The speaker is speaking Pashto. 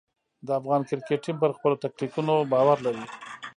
د افغان کرکټ ټیم پر خپلو ټکتیکونو باور لري.